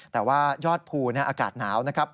แต่ว่ายอดภูอากาศหนาวนะครับ